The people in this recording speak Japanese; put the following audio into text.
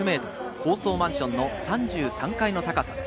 高層マンションの３３階の高さです。